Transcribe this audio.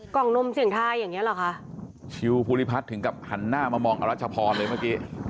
กล่องนมเสียงทายอย่างเงี้เหรอคะชิวภูริพัฒน์ถึงกับหันหน้ามามองอรัชพรเลยเมื่อกี้